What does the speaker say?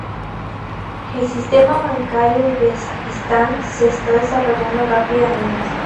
El sistema bancario de Kazajistán se está desarrollando rápidamente.